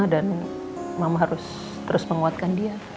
dan mama harus terus menguatkan dia